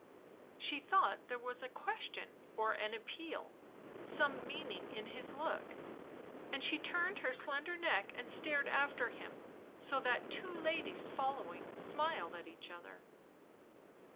She thought there was a question or an appeal — some meaning in his look, and she turned her slender neck and stared after him, so that two ladies following smiled at each other.